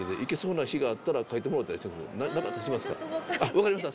分かりました。